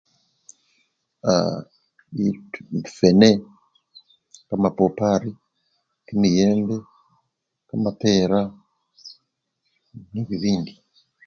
Aaa! bitu! bi! fwene, kamapapari, kimiyebe, kamapera nebibindi.